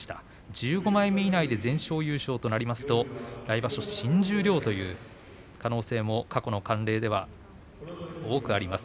１５枚目以内で全勝優勝となりますと来場所新十両という可能性も過去の慣例ではあります。